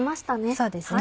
そうですね